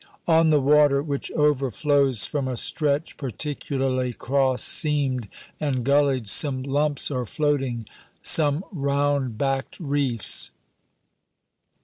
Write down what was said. On the water which overflows from a stretch particularly cross seamed and gullied, some lumps are floating, some round backed reefs.